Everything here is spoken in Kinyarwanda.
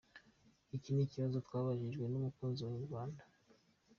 Iki ni ikibazo twabajijwe n’umukunzi wa inyarwanda.